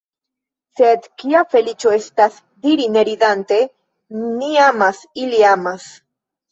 Sed kia feliĉo estas diri ne ridante: „Ni amas, ili amas.